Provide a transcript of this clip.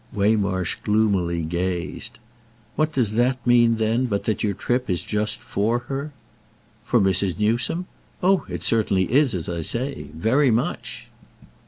Waymarsh gloomily gazed. "What does that mean then but that your trip is just for her?" "For Mrs. Newsome? Oh it certainly is, as I say. Very much."